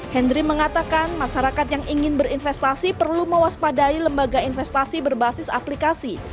henry mengatakan masyarakat yang ingin berinvestasi perlu mewaspadai lembaga investasi berbasis aplikasi